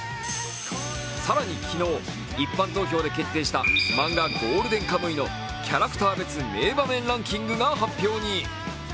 更に昨日、一般投票で決定した漫画「ゴールデンカムイ」のキャラクター別名場面ランキングが発表に。